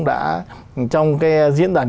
đã trong cái diễn đoàn